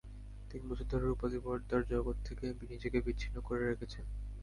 তিন বছর ধরে রুপালি পর্দার জগৎ থেকে নিজেকে বিচ্ছিন্ন করে রেখেছেন।